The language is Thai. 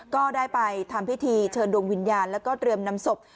ก็ได้ไปทำพิธีเชิญดวงวิญญาณแล้วก็เตรียมนำศพ